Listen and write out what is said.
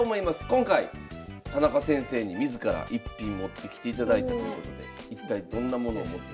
今回田中先生に自ら逸品持ってきていただいてますので一体どんなものを持ってきて。